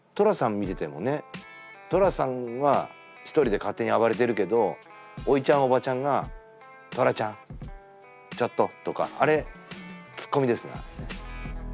見ててもね寅さんは一人で勝手に暴れてるけどおいちゃんおばちゃんが「寅ちゃんちょっと」とかあれツッコミですねあれね。